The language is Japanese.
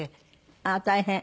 あっ大変。